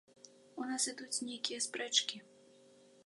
У нас ідуць нейкія спрэчкі.